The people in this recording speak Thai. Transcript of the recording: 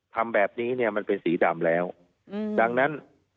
ทำแบบนี้เนี่ยมันเป็นสีดำแล้วดังนั้น